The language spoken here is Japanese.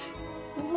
うわ！